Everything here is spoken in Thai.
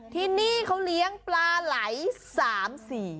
ที่นี่เขาเลี้ยงปลาไหล๓สี